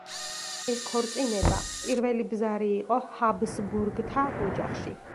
ეს ქორწინება პირველი ბზარი იყო ჰაბსბურგთა ოჯახში.